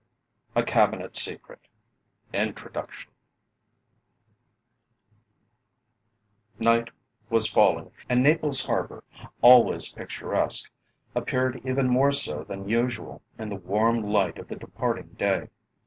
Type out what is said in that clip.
A CABINET SECRET INTRODUCTION Night was falling, and Naples Harbour, always picturesque, appeared even more so than usual in the warm light of the departing day.